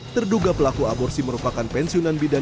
terduga pelaku aborsi merupakan pensiunan bidan